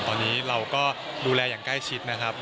ตอนนี้เราก็ดูแลอย่างใกล้ชิดนะครับ